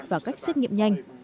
và cách xét nghiệm nhanh